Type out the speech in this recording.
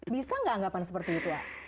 bisa nggak anggapan seperti itu